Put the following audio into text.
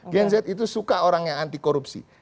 gen z itu suka orang yang anti korupsi